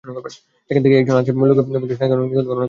এখানে কাছেই একজন আছে, লোকে বলে সে নাকি অনেক নিখুঁত গণনা করে।